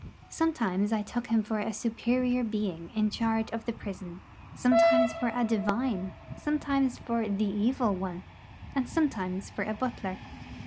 Sometimes I took him for a superior being in charge of the prison, sometimes for a divine, sometimes for the Evil One, and sometimes for a butler.